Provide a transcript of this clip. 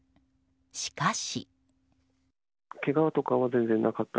しかし。